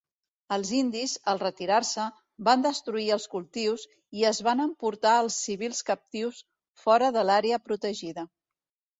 Els indis, al retirar-se, van destruir els cultius i es van emportar als civils captius fora de l'àrea protegida.